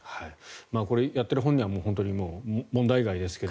これ、やっている本人は問題外ですけど。